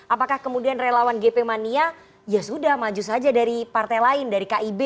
apakah kemudian relawan gp mania ya sudah maju saja dari partai lain dari kib